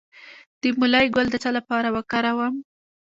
د مولی ګل د څه لپاره وکاروم؟